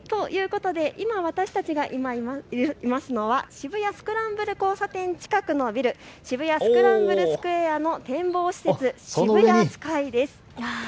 今、私たちがいますのは渋谷スクランブル交差点近くのビル、渋谷スクランブルスクエアの展望施設ＳＨＩＢＵＹＡＳＫＹです。